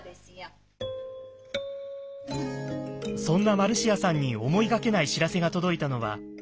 そんなマルシアさんに思いがけない知らせが届いたのは去年の夏。